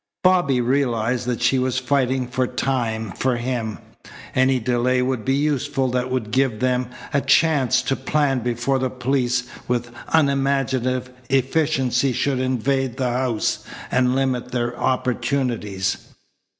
Bobby realized that she was fighting for time for him. Any delay would be useful that would give them a chance to plan before the police with unimaginative efficiency should invade the house and limit their opportunities.